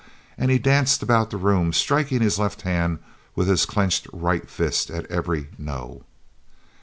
and he danced about the room, striking his left hand with his clenched right fist at every 'No!'"